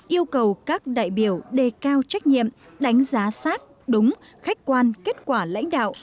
yêu cầu các đại biểu đề cao trách nhiệm đánh giá sát đúng khách quan kết quả lãnh đạo